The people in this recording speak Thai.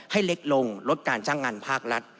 ให้เล็กลงลดการจ้างงานภาครัฐ